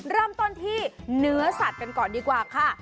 เริ่มต้นที่เนื้อสัตว์กันก่อนดีกว่าค่ะ